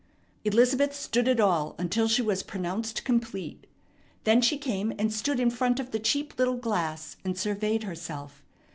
Elizabeth stood it all until she was pronounced complete. Then she came and stood in front of the cheap little glass, and surveyed herself.